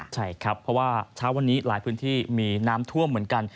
ใช่ครับเพราะว่าเช้าวันนี้หลายพื้นที่มีน้ำท่วมเหมือนกัน